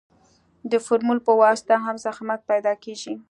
د فورمول په واسطه هم ضخامت پیدا کیږي